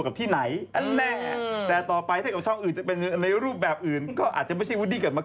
ไม่วันนั้นเนี่ยดิฉันว่าเห็นแวบนายอยู่แถวพระราม๔